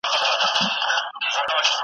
د ایران او عراق په چارو کي